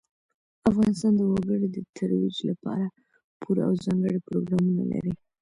افغانستان د وګړي د ترویج لپاره پوره او ځانګړي پروګرامونه لري.